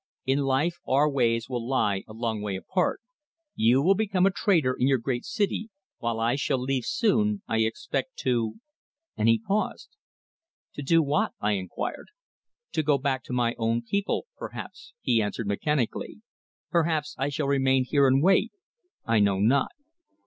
In life our ways will lie a long way apart. You will become a trader in your great city, while I shall leave soon, I expect, to " and he paused. "To do what?" I inquired. "To go back to my own people, perhaps," he answered mechanically. "Perhaps I shall remain here and wait, I know not."